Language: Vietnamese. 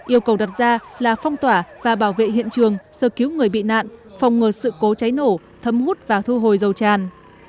yêu cầu đặt ra là phong tỏa và bảo vệ hiện trường sơ cứu người bị nạn phòng ngừa sự cố cháy nổ thấm hút và thu hồi dầu tràn